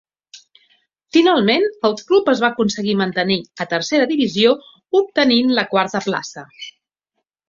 Finalment el club es va aconseguir mantenir a tercera divisió obtenint la quarta plaça.